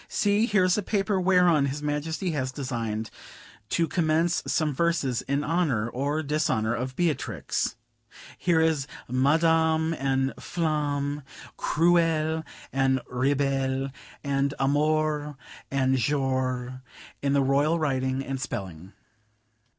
"See! here is a paper whereon his Majesty has deigned to commence some verses in honor, or dishonor, of Beatrix. Here is 'Madame' and 'Flamme,' 'Cruelle' and 'Rebelle,' and 'Amour' and 'Jour' in the Royal writing and spelling.